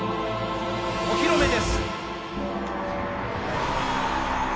お披露目です。